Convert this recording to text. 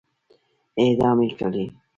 اعدام يې کړئ!